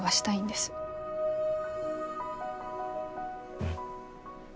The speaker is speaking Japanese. うん。